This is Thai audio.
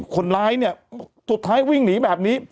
คนร้ายเนี่ยสุดท้ายวิ่งหนีแบบนี้